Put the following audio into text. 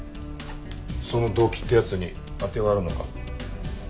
その動機ってやつに当てはあるのか？